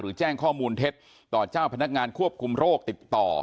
แจ้งข้อมูลเท็จต่อเจ้าพนักงานควบคุมโรคติดต่อ